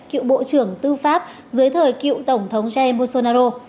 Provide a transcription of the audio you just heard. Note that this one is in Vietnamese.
cựu bộ trưởng tư pháp dưới thời cựu tổng thống jair mosonaro